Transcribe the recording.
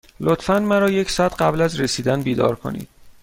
لطفا مرا یک ساعت قبل از رسیدن بیدار کنید.